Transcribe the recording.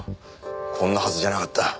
こんなはずじゃなかった。